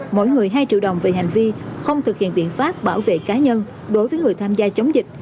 mỗi người hai triệu đồng về hành vi không thực hiện biện pháp bảo vệ cá nhân đối với người tham gia chống dịch